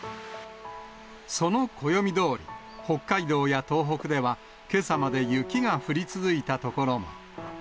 その暦どおり、北海道や東北ではけさまで雪が降り続いた所も。